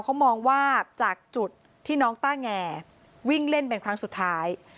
เขามองว่าจากจุดที่น้องต้าแงวิ่งเล่นเป็นครั้งสุดท้าย